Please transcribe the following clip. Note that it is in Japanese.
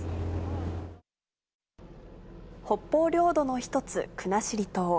北方領土の一つ、国後島。